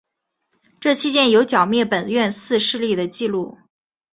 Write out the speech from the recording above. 这期间有剿灭本愿寺势力的纪录。